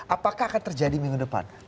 apakah akan terjadi minggu depan